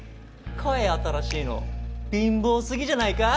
買え新しいの。貧乏すぎじゃないか。